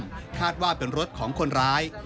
ซึ่งคาดว่าเป็นรถของคนร้าย